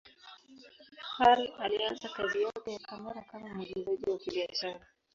Hall alianza kazi yake ya kamera kama mwigizaji wa kibiashara.